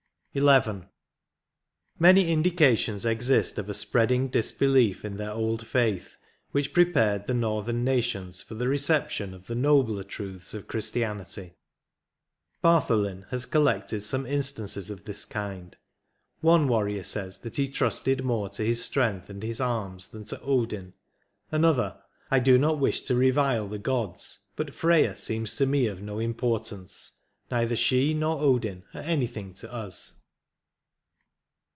22 XI. Many indications exist of a spreading disbelief in their old faith, which prepared the northern nations for the reception of the nobler truths of Christi anity. Bartholin has collected some instances of this kind. One warrior says that he trusted more to his stiiength and his arms than to Odin ; another, "I do not wish to revile the gods, but Freya seems to me of no importance : neither she nor Odin are anything to us."